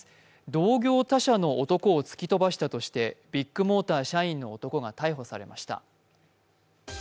同業他社の男を突き飛ばしたとしてビッグモーター社員の男が逮捕されました。